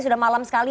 sudah malam sekali